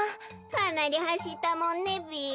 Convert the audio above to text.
かなりはしったもんねべ。